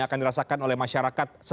bagaimana anda membaca soal dampak langsungnya